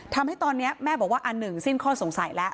ทำให้ตอนนี้แม่บอกว่าอันหนึ่งสิ้นข้อสงสัยแล้ว